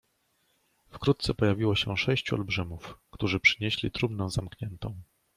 "Wkrótce pojawiło się sześciu olbrzymów, którzy przynieśli trumnę zamkniętą."